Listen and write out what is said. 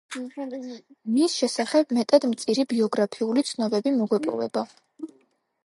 მის შესახებ მეტად მწირი ბიოგრაფიული ცნობები მოგვეპოვება.